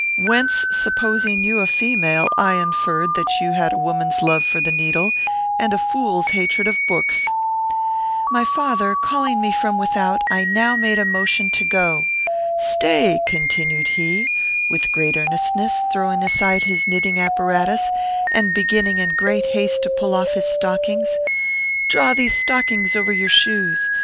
Whence, supposing you a female, I inferred that you had a woman's love for the needle and a fool's hatred of books.' "My father calling me from without, I now made a motion to go. 'Stay,' continued he, with great earnestness, throwing aside his knitting apparatus, and beginning in great haste to pull off his stockings. 'Draw these stockings over your shoes.